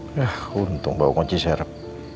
ya untung bawa kunci serap